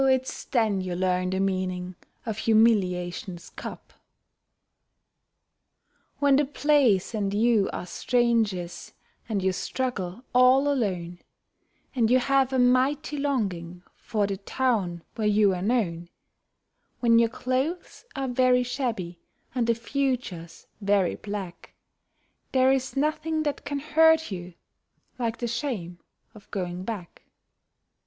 it's then you learn the meaning of humiliation's cup. When the place and you are strangers and you struggle all alone, And you have a mighty longing for the town where you are known; When your clothes are very shabby and the future's very black, There is nothing that can hurt you like the shame of going back.